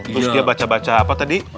bus dia baca baca apa tadi